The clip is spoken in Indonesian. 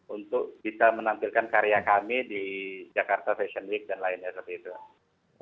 untuk bisa menampilkan karya kami di jakarta fashion week dan lainnya seperti itu